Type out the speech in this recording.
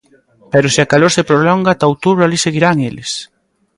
Pero se a calor se prolonga ata outubro alí seguirán eles.